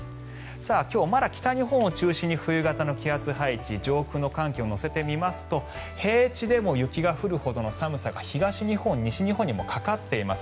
今日はまだ北日本を中心に冬型の気圧配置上空の寒気を乗せてみますと平地でも雪が降るほどの寒さが東日本、西日本にもかかっています。